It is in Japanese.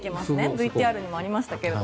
ＶＴＲにもありましたが。